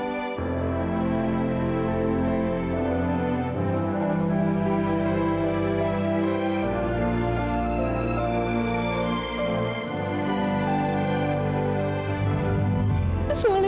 ibu ingin ketemu sama kamilah